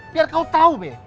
biar kau tahu be